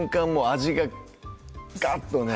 味がガッとね